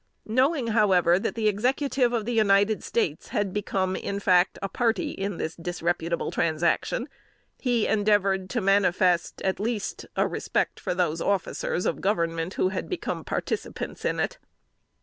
Knowing, however, that the Executive of the United States had become in fact a party in this disreputable transaction, he endeavored to manifest at least a respect for those officers of Government who had become participants in it.